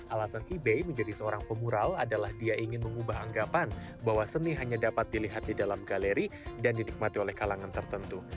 alasan ibe menjadi seorang pemural adalah dia ingin mengubah anggapan bahwa seni hanya dapat dilihat di dalam galeri dan dinikmati oleh kalangan tertentu